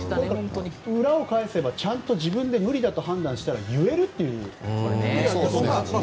裏を返せばちゃんと自分で無理だと判断したら言えるということですね。